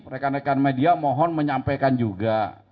rekan rekan media mohon menyampaikan juga